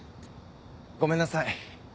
ごめんなさい。